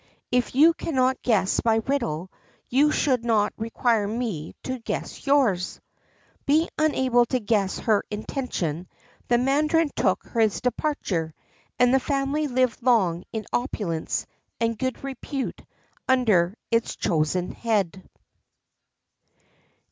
If you cannot guess my riddle, you should not require me to guess yours." Being unable to guess her intention the mandarin took his departure, and the family lived long in opulence and good repute under its chosen head.